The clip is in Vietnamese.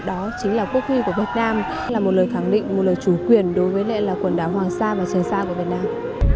đó chính là quốc huy của việt nam là một lời khẳng định một lời chủ quyền đối với lại là quần đảo hoàng sa và trường sa của việt nam